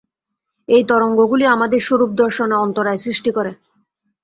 এই তরঙ্গগুলি আমাদের স্বরূপ-দর্শনে অন্তরায় সৃষ্টি করে।